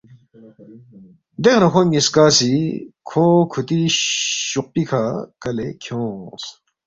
دیکھہ نہ کھونگ نِ٘یسکا سی کھو کھُوتی شوقپی کھہ کلے کھیونگس